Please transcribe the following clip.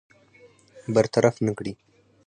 برطرف نه کړي.